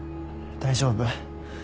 大丈夫。